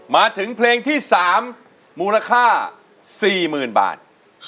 มาถึงเพลงที่สามมูลค่าสี่หมื่นบาท